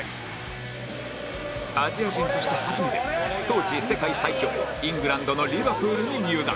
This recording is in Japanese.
アジア人として初めて当時世界最強イングランドのリバプールに入団